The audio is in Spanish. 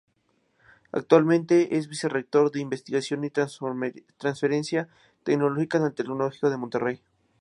Actualmente es Vicerrector de Investigación y Transferencia Tecnológica en el Tecnológico de Monterrey.